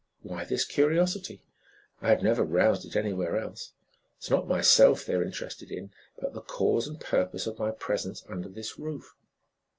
Why this curiosity? I have never roused it anywhere else. It is not myself they are interested in, but the cause and purpose of my presence under this roof."